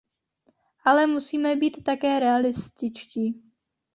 Ale musíme být také realističtí.